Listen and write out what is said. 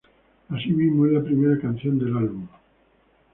Así mismo, es la primera canción del álbum.